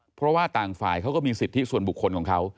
เพราะว่าต่างฝ่ายเขาก็มีสิทธิส่วนบุคคลของเขา